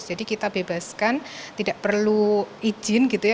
jadi kita bebaskan tidak perlu izin gitu ya